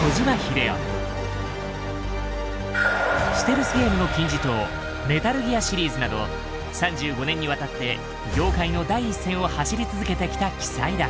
ステルスゲームの金字塔「メタルギア」シリーズなど３５年にわたって業界の第一線を走り続けてきた奇才だ。